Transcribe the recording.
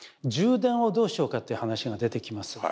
充電をどうしようかという話が出てきます。